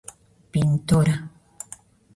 Pintora.